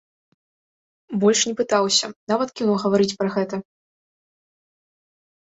Больш не пытаўся, нават кінуў гаварыць пра гэта.